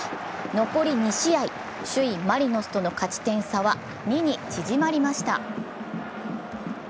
残り２試合、首位・マリノスとの勝ち点差は２に縮まりました。